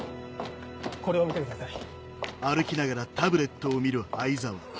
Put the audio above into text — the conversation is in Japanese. これを見てください。